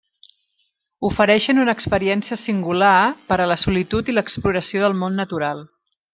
Ofereixen una experiència singular per a la solitud i l'exploració del món natural.